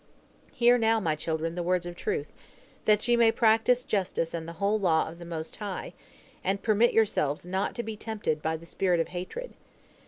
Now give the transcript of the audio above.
"Hear now, my children, the words of truth, that ye may practice justice and the whole law of the Most High, and permit yourselves not to be tempted by the spirit of hatred.